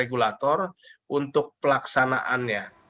regulator untuk pelaksanaannya